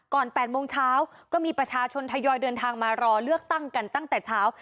๘โมงเช้าก็มีประชาชนทยอยเดินทางมารอเลือกตั้งกันตั้งแต่เช้า